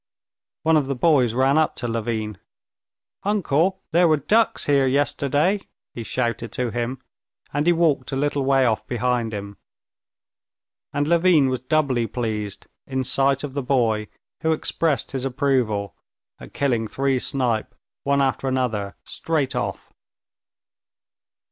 One of the boys ran up to Levin. "Uncle, there were ducks here yesterday!" he shouted to him, and he walked a little way off behind him. And Levin was doubly pleased, in sight of the boy, who expressed his approval, at killing three snipe, one after another, straight off.